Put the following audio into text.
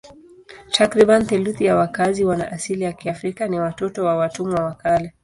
Takriban theluthi ya wakazi wana asili ya Kiafrika ni watoto wa watumwa wa kale.